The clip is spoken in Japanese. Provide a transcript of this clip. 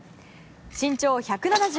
身長１７５ｃｍ。